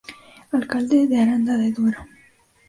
Alcalde de Aranda de Duero.